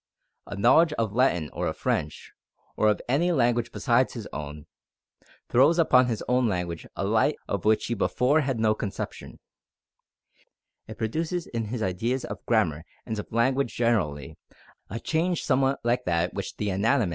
A knowledge of Latin or of French, or of any language besides his own, throws upon his own language a light of which he before had no conception. It produces in his ideas of grammar and of language generally, a change somewhat like that which the anatomist experiences from the study of comparative anatomy.